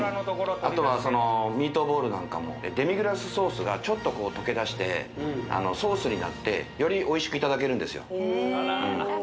あとはミートボールなんかもデミグラスソースがちょっとこう溶けだしてソースになってよりおいしくいただけるんですよ